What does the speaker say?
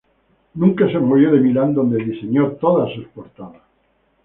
Nunca se movió de Milán, donde diseño todas sus portadas.